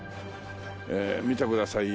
見てくださいよ